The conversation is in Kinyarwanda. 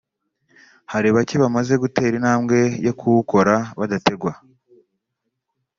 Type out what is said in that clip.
hari bake bamaze gutera intambwe yo kuwukora badategwa